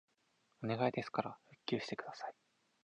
お願いですから復旧してください